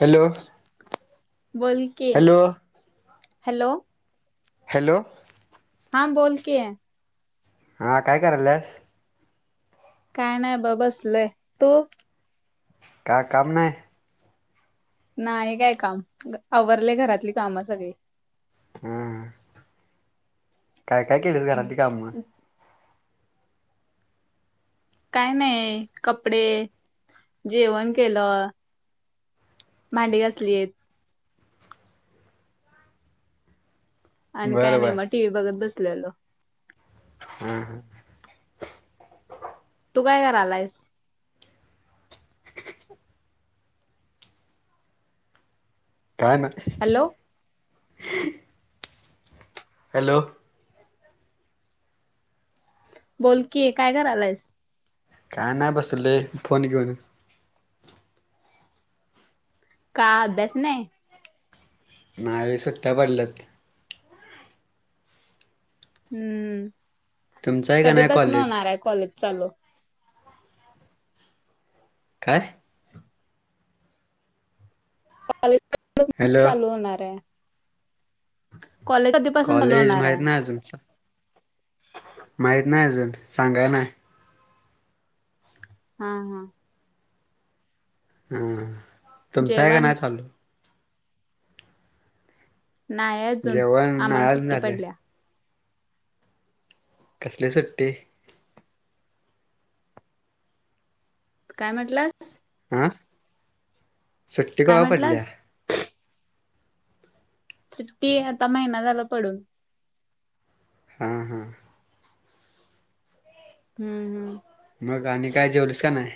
Hello! बोल की hello! Hello! Hello! हा बोल की हा काय करायलस. काय नाही ब बसलय तू काय काम नाही. नाही काय काम आवरले घरातली काम सगळी. हम्म! काय काय केलेस घरातली काम. काय नाही कपडे, जेवण केलं. भांडी घासलीत. आणि काय बरं नाही बर मग टी व्ही बघत बसलेलो. हम्म हम्म! तू काय कर आलायस? काय ना हॅलो हॅलो! बोलकी काय करायलास. का नाही बसले फोन बघत. का अभ्यास नाही नावे सुट्ट्या पडल्यात हम्म तुमचं आहे का कधी नाही बस न कॉलेज होणार आहे कॉलेज चालू काय कॉलेज हॅलो चालू होणार आहे कॉलेज आधीपासून चालू कॉलेज होणार माहीत आहे माहत नाही अजून सांगाय ना हा हा हम तुमचं आहे का जेवण नाही चाललू नाही अजून जेवण नाही आम्हाला आज सुट्टी झालंय पडल्या कसली सुट्टी काय म्हटलंस सुट्टी क काय पल्या म्हटलास सुट्टी आता महिना झाला पडून हा हम् हम्म हम्म मग आणि काय जेवलस का नाही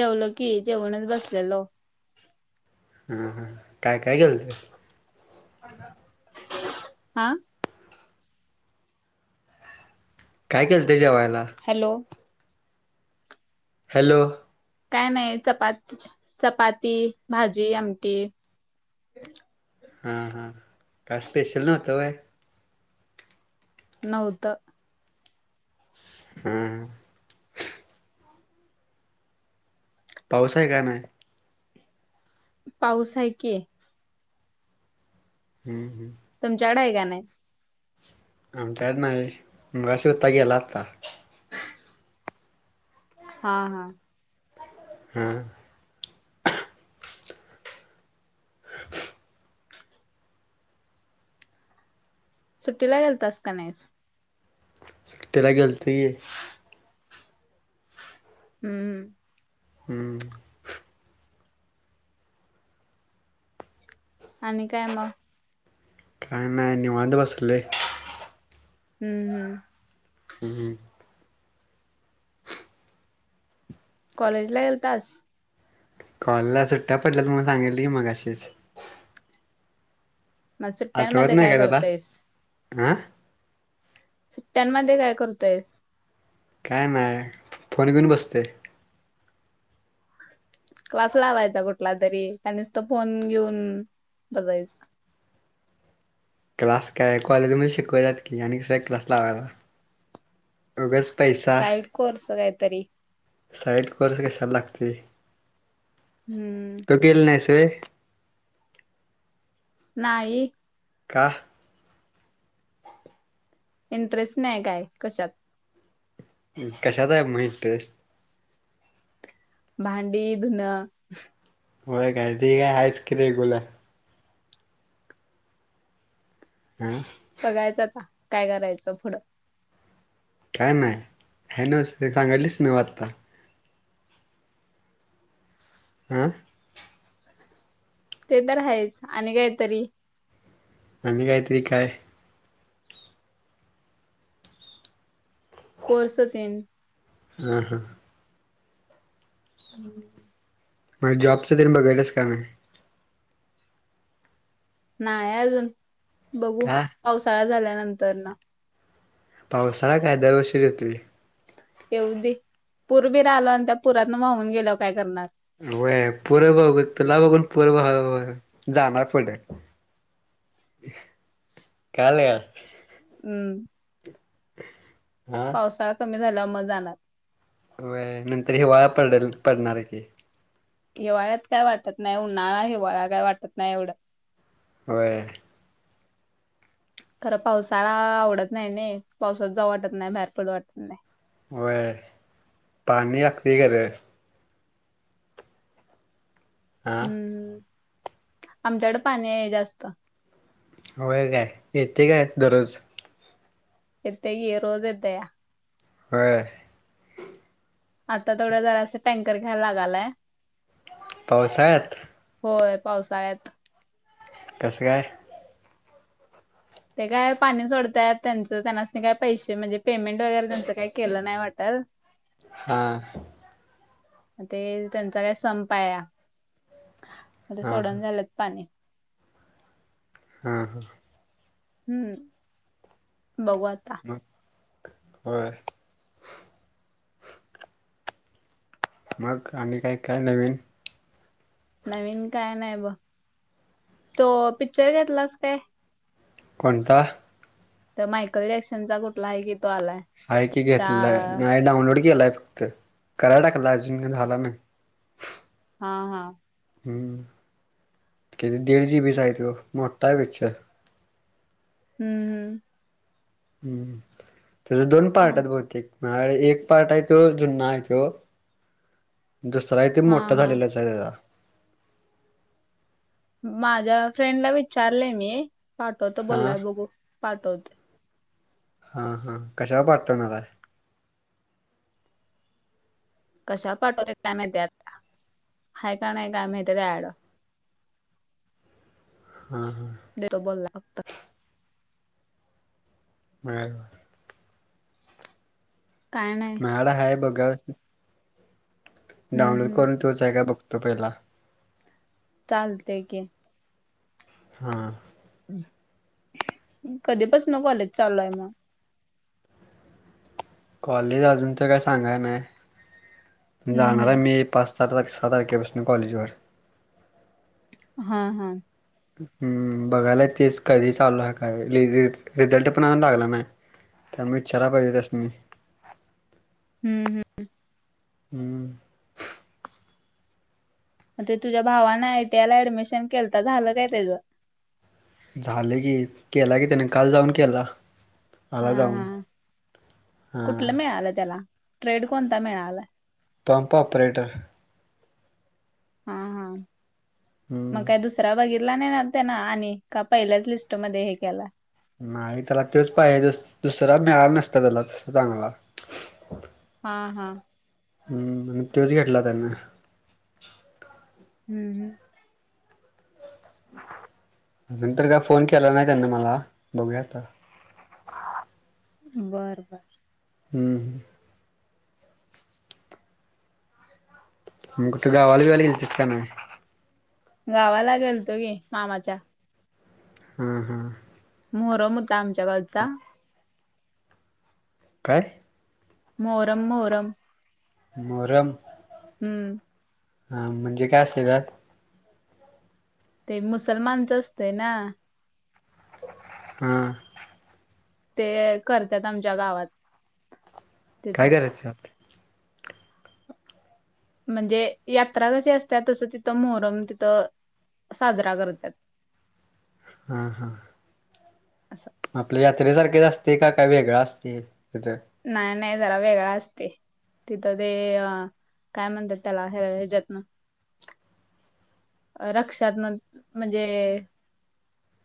जेवल की जेवणच बसलेलो हम हम काय काय गेल ते हा काय केलं तेच्याेवा्हां हॅलो हॅलो काय नाही चपाती चपाती भाजी आमठीी हा हा काय स्पेशल नतय नौत हम्म पाऊस आहे का नाही पाऊस आहे की हम्म हम् तुमच्याकडे का नाही आमच्यात नाही मग शता गेला आता हा हा हम्म [inaudible] सुट्टीला गेलतसत नाहीस सु्टेला गलत आहे हम्म हम्म आणि काय मग काय नाही निवांत बसलोय हम्म हम्म हम्म कॉलेज ला गेलतास कॉलजला सुट्ट्या पडल्यात म्हणून सांगितलय की मगाशीच मग सुट्ट्यांमध्ये काय करतयस आा सुट्ट्यामध्ये काय करतोयस काय नाही फोन घेऊन बसतोय क्लास लावायचा कुठला तरी का नुसत फोन घेऊन बजायचा [inaudible] क्लास काय कॉलेजमध्ये शिकवतात की आणि कशाला क्लास लावायला. उगाच पैसा तरी साईड कोर्स कशाला लागतोय. हम्म तू केले नाहीस व्हय. नाही. का इंटरेस्ट नाही काय कशात. कशात आहे म इंटरेस्ट. भांडी धुन. होय काय, ते काय हायेच कि रेगुलर. हम्म बघायचं का काय करायचं पुढं. काय नाही आहे न सांगालीच ना आता. अम्म ते तर आहेच. आणि काहीतरी. अनी कायतरी काय? कोर्स तेन हम्म हा. हम्म माझ जॉबच तेन बघायल्यास का नाही. नाही अजून. बघू, का पावसाळा झाल्यानंतर ना. पावसाळा काय दर वर्षीच येतोय. येऊ दे. पूरबीर आला आणि त्या पुरातन व्हाऊन गेलो काय करणार. वय, पूर बघ तुला बघून पुर जाणार पुढ. काल हम्म हा पावसाळा कमी झाल्यावर म जाणार. व्हय नंतर हिवाळा पडल पडणार की. हिवाळ्यात काय वाटत नाही. उन्हाळा हिवाळा काय वाटत नाही एवढं. व्हय. खरं पावसाळा आवडत नाही नाही. पावसात जाऊ वाटत नाही बाहेर पडू वाटत नाही. व्हय पाणी हकदी गर आह आमच्याकड पाणी आहे जास्त. होय काय येते काय दररोज. येते की. रोज येतया. होय. आता तेवड जरास टँकर घ्या लागालय. पावसाळ्यात. होय पावसाळ्यात. कस काय? ते काय पाणी सोडताय त्यांचं त्यांनाच नाही काय पैसे म्हणजे पेमेंट वगैरे त्यांचं काही केलं नाही वाटल. हा ते त्यांचा काय संप आहे. आता हा हा सोडुण झालंत पाणी. हा हा हम्म बघु आता. मग होय. मग आणि काय काय नवीन. नवीन काय नाही ब तो पिक्चर घेतलास काय? कोणता? तर मायकल जॅक्सनचा कुठला आहे की तो आलाय हाय की चा घेतलाय नाही डाऊनलोड केलाय फक्त कराय टाक लाय अजून काय झाला नाही. हा, हा. [inaudible] किती दीड जी बि चा आहे तो. मोठठा आहे पिक्चर. हम्म, हम्म. हम्म, त्याच दोन पार्ट चा- आहेत बहुतेक. माझ्याकडे एक पार्ट आहे तो, जुना आहे तो. दुसरा आहे तो हा मोठा हा झालेलाच आहे जरा. माझ्या फ्रेंडला विचारले मी पाठवत हा बोलाय बघू पाठवतोय. हा, हा कशावर पाटवणार हाय. कशावर पाठवते काय माहतीे आता? हाय काय नाही माहीती त्याच्याकडं. [inaudible] हा देेतो बोलतो. म काय कर काय नाही माझ्याकडे हाय बघुया. हम्म डाउनलोड हम्म करून तोच हाय काय बघतो जरा. चालतेय की. हा. कधीपसन कॉलेज चालू आहे मग? कॉलेज अजून तर काय सांगाय नाय हम्म जाणार आहे हम्म मी एक पस सात तारख सात तारखे पसन कॉलेजवर. हा, हा. हम्म, बघायला तेच कधी चालू आहे काय? रिजेट रिझल्ट पण अजून लागला नाही. त्यामूळ विचाराय पाहिजे त्यास्नी. [inaudible] हम्म, हम्म. हम्म. [inaudible] मग ते तुझ्या भावान आ य टी आय ला ऍडमिशन केलता झालं काय त्याच. झाल की केला की त्याने काल जाऊन केला. हा आला जाऊन हा [inaudible] हां कुठलं मिळालं त्याला ट्रेड कोणता मिळाला? Pump operator. हा हा हम्म, मग काय दुसऱ्या बागित. ला नाही त्या ना आणि का पहिल्याच लिस्टमध्ये हे केला. नाही त्याला तोच पाहिजे दुसरा मिळाला नसता त्याला त चांगला. [inaudible] हा, हा. हम्म तोच घेतला त्यांना. हम्म, हम. अजून तर काय फोन केला नाही त्यांन मला बघूया आता. हा. बर बर. हम्म. म कुठ गावाला बिवाला गेलतीस काय नाही? गावाला गेलतो की मामाच्या. हम्म, हम्म. मोहरम होता आमच्या गावचा. काय? मोहरम, मोहरम. मोहरम. हम्म. हा म्हणजे काय असतय त्यात. ते मुसलमानच असतय ना. हम्म. ते करतात आमच्या गावात. काय तिथं करायच आप म्हणजे यात्रा कशी असतात तसं तिथं मोहरम तिथं साजरा करत्यात. हा हा. असं आपल्या यात्रेसारखेच असते का काही वेगळा असते तिथ नाही नाही जरा वेगळा असतय. तिथं ते अ काय म्हणतात त्याला हे हच्यातन रक्षात्म म्हणजे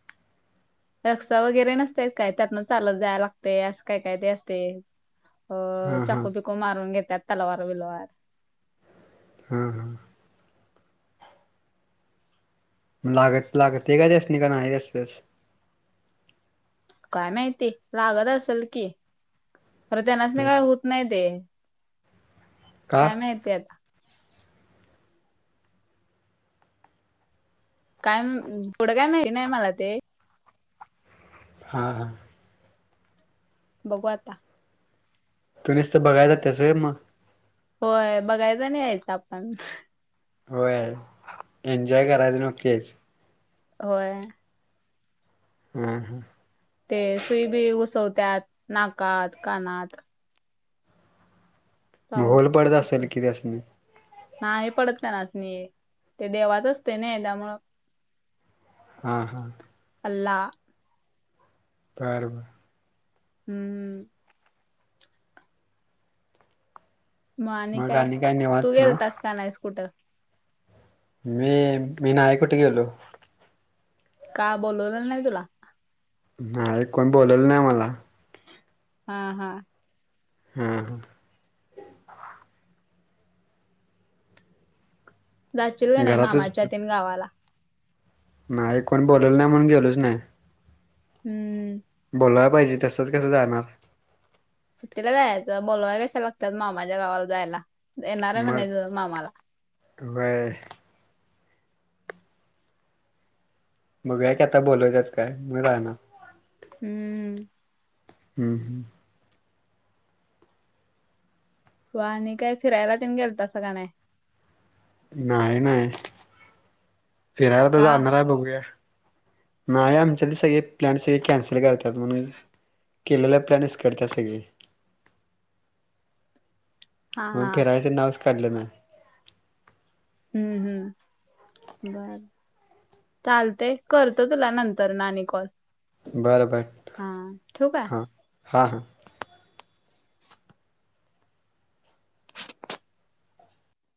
[inaudible] रक्ष वगैरे नसत काय त्यातन चालत जायला लागतय असं काय काय ते असते. अ हा हा चाकू पिकू मारून घेतात तलवार बीलवार हम् हम्. लागत लागत आहे का त्यास नाही का नाही जासतस काय माहिती लागत असेल की अरे त्यांनाच नाही काय होत नाही ते. का? काय मा येत आता काय पुढं काय माहिती नाही मला ते हा, हा, बघू आता. तु् नुसतं बघायला जात्यास व्हय मग होय बघायच नाही यायचं आपण होय एन्जॉय करायच नकच होय. हम्म हम्. ते सुई बी घुसवतात नाकात कानात चालू माहोल बड द असेल असते की त्यास नी नाही हे पडत त्यानासनी ते देवाच असते ना त्यामुळं हम हम अला. परवा हम्म मग आणि काय तू गेल तस का नाही कुठं मी मी नाय कुठ गेलो. का बोलवलं नाही तुला. नाही कोण बोलेल नाही आम्हाला हा हा. हम् हा. जाशील का नाही घरातच मामाच्या तेन गावाला. नाही कोण बोलवल नाही म्हणून गेलोच नाही. हम्म. बोलाय पाहिजे तसच कसं जाणार. सुट्टीला जायचं बोलावयला कशाला लागतय मामाच्या गावाला जायला येणार आहे मग म्हणायच मामाला. व्हय बघेऊया की आता बोलवतात काय मग जाणार. हम्म. हम्म हम्म. हो आणि काय फिरायला तेन गेलतासा का नाही नाही नाही फिरायला तर का जाणार आहे बघूया नाही आमच्या सगळे प्लॅन सगळे कॅन्सल करतात म्हणून केलेला प्लॅन विसकटतात सगळे हा मग हा फिरायचं नावच काढल नाही हम्म हम्म बर चालतय करतो तुला नंतर नी आणि कॉल बरं बरं हा ठेऊ काय हां हां हां